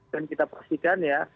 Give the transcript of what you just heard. dan kita pastikan ya